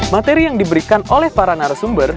materi yang diberikan oleh para narasumber